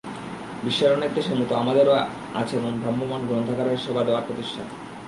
বিশ্বের অনেক দেশের মতো আমাদেরও আছে এমন ভ্রাম্যমাণ গ্রন্থাগারের সেবা দেওয়ার প্রতিষ্ঠান।